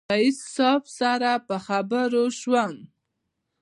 رئیس صاحب سره په خبرو شوم.